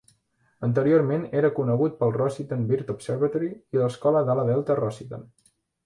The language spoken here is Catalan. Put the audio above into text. Anteriorment era conegut pel Rossitten Bird Observatory i l'escola d'ala delta Rossitten.